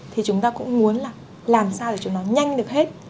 thì chúng ta cũng muốn là làm sao để chúng ta nhanh được hết